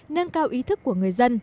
nâng cao ý thức của người dân